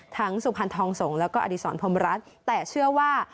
สุพรรณทองสงฆ์แล้วก็อดีศรพรมรัฐแต่เชื่อว่า